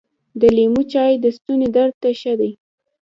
د لیمو چای د ستوني درد ته ښه دي .